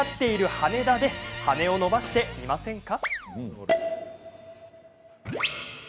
羽田で羽を伸ばしてみませんか？